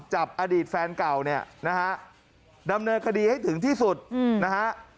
อดีตแฟนเก่าเนี่ยนะฮะดำเนินคดีให้ถึงที่สุดนะฮะ